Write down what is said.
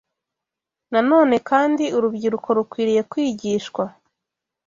Na none kandi, urubyiruko rukwiriye kwigishwa